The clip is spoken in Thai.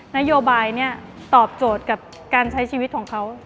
นโยบายเนี่ยตอบโจทย์กับการใช้ชีวิตของเขา